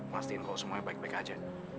mastiin kau semuanya baik baik aja